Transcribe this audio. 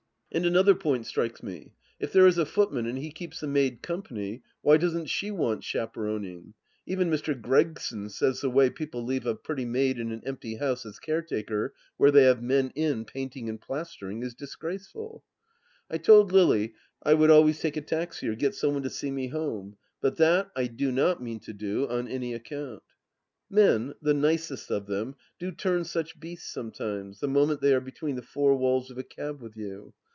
And another point strikes me : if there is a footman and he keeps the maid company, why doesn't she want chaperon ing ? Even Mr. Gregson says the way people leave a pretty maid in an empty house as caretaker where they have men in painting and plastering, is disgraceful. ... I told Lily I would always take a taxi or get some one to see me home, but that I do not mean to do, on any account. Men, the nicest of them, do turn such beasts, sometimes, the moment they are between the four walls of a cab with you.